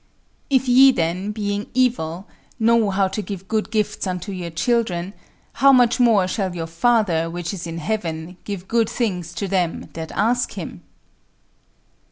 If ye then, being evil, know how to give good gifts unto your children, how much more shall your Father which is in heaven give good things to them that ask him?